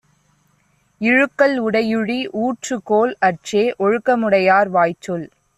இழுக்கல் உடையுழி ஊற்றுக்கோல் அற்றே ஒழுக்கமுடையார் வாய்ச்சொல்.